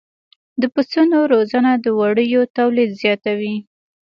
د پسونو روزنه د وړیو تولید زیاتوي.